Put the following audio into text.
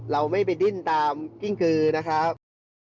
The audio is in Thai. เราไม่ไปดิ้นตามกิ้งกือนะครับ